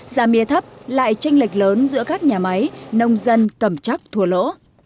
giá mía thấp lại tranh lệch lớn giữa các nhà máy nông dân cầm chắc thua lỗ